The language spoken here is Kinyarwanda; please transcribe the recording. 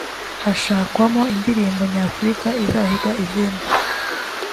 hashakwamo indirimbo nyafurika izahiga izindi